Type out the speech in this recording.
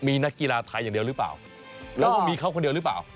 มีนักกีฬาไทยอย่างเดียวหรือเปล่า